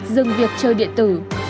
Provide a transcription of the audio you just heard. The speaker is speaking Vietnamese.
dừng việc chơi điện tử